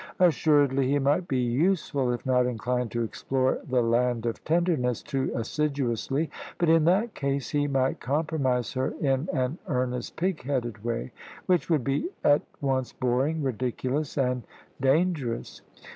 Assuredly, he might be useful, if not inclined to explore the Land of Tenderness too assiduously. But in that case, he might compromise her in an earnest, pig headed way, which would be at once boring, ridiculous, and dangerous.